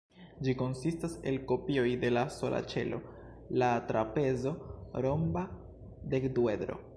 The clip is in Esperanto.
Ĝi konsistas el kopioj de sola ĉelo, la trapezo-romba dekduedro.